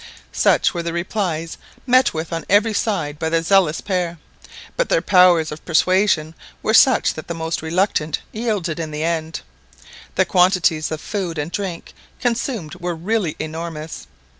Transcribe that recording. Such were the replies met with on every side by the zealous pair, but their powers of persuasion were such that the most reluctant yielded in the end. The quantities of food and drink consumed were really enormous.